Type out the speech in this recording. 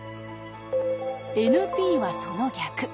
ＮＰはその逆。